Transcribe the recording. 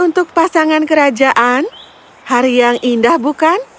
untuk pasangan kerajaan hari yang indah bukan